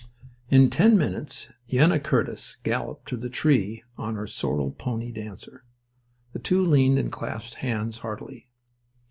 In ten minutes Yenna Curtis galloped to the tree on her sorrel pony Dancer. The two leaned and clasped hands heartily.